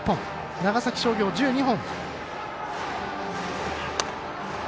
長崎商業は１２本。